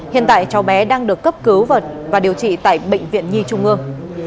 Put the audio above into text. hiện tại cháu bé đang được cấp cứu và điều trị tại bệnh viện nhi trung ương